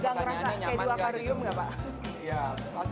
gak ngerasa kayak di wakarium gak pak